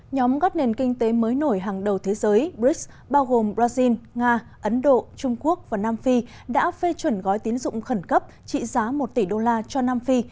nhóm gắt nền kinh tế mới nổi hàng đầu thế giới brics bao gồm brazil nga ấn độ trung quốc và nam phi đã phê chuẩn gói tiến dụng khẩn cấp trị giá một tỷ đô la cho nam phi